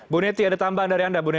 bu neti ada tambahan dari anda